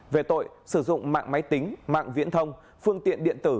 về tội sử dụng mạng máy tính mạng viễn thông phương tiện điện tử